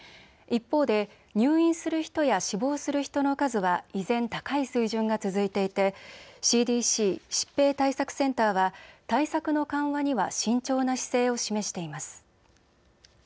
一方で入院する人や死亡する人の数は依然、高い水準が続いていてＣＤＣ・疾病対策センターは対策の緩和には慎重な姿勢を示しています。